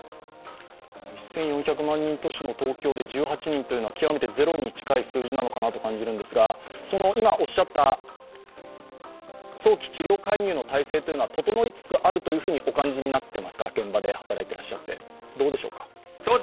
１４００万人都市の東京で１８人というのは極めてゼロに近い数字なのかなと感じるんですが早期治療介入の体制というのは整いつつあるとお感じになっていますか、現場で働いていらっしゃって。